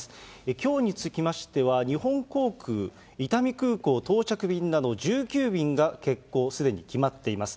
きょうにつきましては、日本航空、伊丹空港到着便など１９便が欠航、すでに決まっています。